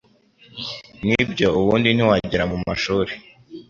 Nibyo ubundi ntiwagera mu mashuri